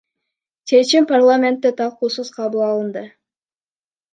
Чечим парламентте талкуусуз кабыл алынды.